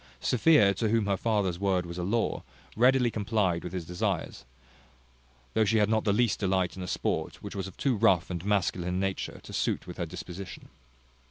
Sophia, to whom her father's word was a law, readily complied with his desires, though she had not the least delight in a sport, which was of too rough and masculine a nature to suit with her disposition.